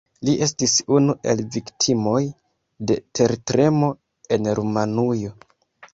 Li estis unu el viktimoj de tertremo en Rumanujo.